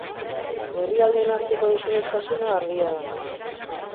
Herrialdeen arteko desadostasuna argia da.